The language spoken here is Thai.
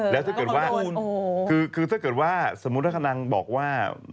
แล้วถ้าเกิดว่าสมมุติถ้านางบอกว่า